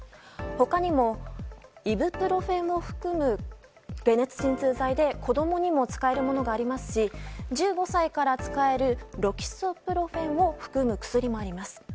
他にもイブプロフェンを含む解熱鎮痛剤で子供にも使えるものがありますし１５歳から使えるロキソプロフェンを含む薬もあります。